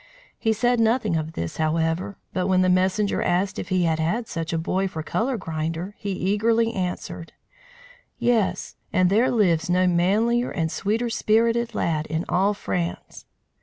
He said nothing of this, however, but when the messenger asked if he had had such a boy for colour grinder, he eagerly answered: "Yes, and there lives no manlier and sweeter spirited lad in all France!"